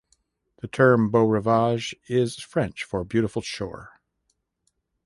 The term 'Beau Rivage' is French for 'beautiful shore'.